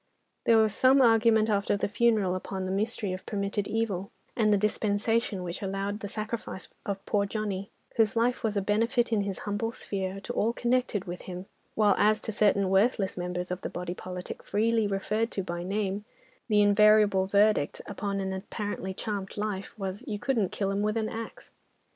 There was some argument after the funeral upon the mystery of permitted evil, and the dispensation which allowed the sacrifice of poor Johnny, whose life was a benefit in his humble sphere, to all connected with him, while as to certain worthless members of the body politic, freely referred to by name, the invariable verdict upon an apparently charmed life was, "You couldn't kill 'em with an axe."